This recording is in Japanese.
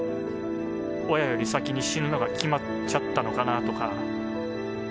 親より先に死ぬのが決まっちゃったのかなとか。